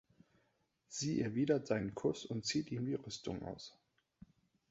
Sie erwidert seinen Kuss und zieht ihm die Rüstung aus.